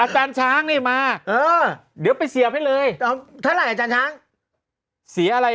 คุณนี้หลายจักร